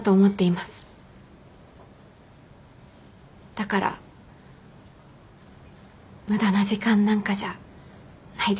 だから無駄な時間なんかじゃないです。